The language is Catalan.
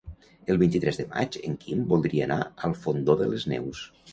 El vint-i-tres de maig en Quim voldria anar al Fondó de les Neus.